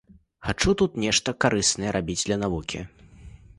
Хачу тут нешта карыснае рабіць для навукі.